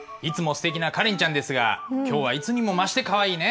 すてきなカレンちゃんですが今日はいつにも増してかわいいね。